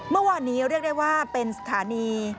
เมื่อวานนี้เรียกได้ว่าเป็นสถานี